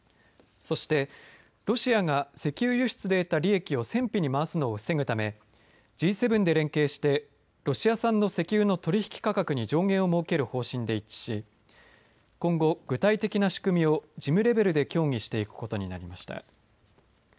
そして、ロシアが石油輸出で得た利益を戦費に回すのを防ぐためＧ７で連携してロシア産の石油の取引価格に上限を設ける方針で一致し今後、具体的な仕組みを事務レベルで協議していくことになりました。